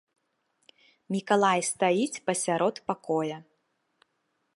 Мікалай стаіць пасярод пакоя.